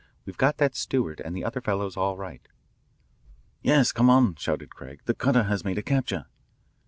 "We've got that steward and the other fellows all right." "Yes, come on," shouted Craig. "The cutter has made a capture."